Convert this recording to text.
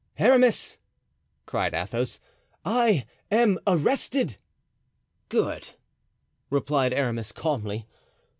"Aramis," cried Athos, "I am arrested." "Good," replied Aramis, calmly.